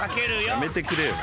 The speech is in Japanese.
やめてくれよ。